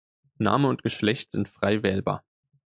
Name und Geschlecht sind frei wählbar.